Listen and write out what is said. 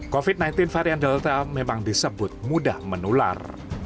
covid sembilan belas varian delta memang disebut mudah menular